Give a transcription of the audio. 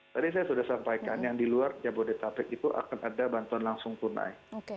tadi saya sudah sampaikan yang di luar jabodetabek itu akan ada bantuan langsung tunai